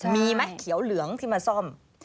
มีไหมเขียวเหลืองที่มาซ่อม